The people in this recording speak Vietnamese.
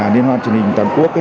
điên hoa truyền hình toàn quốc